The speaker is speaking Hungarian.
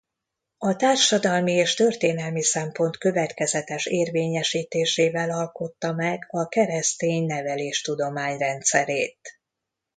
A társadalmi és történelmi szempont következetes érvényesítésével alkotta meg a keresztény neveléstudomány rendszerét.